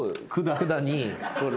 管に。